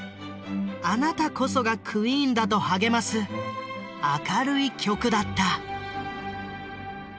「あなたこそがクイーンだ」と励ます明るい曲だった。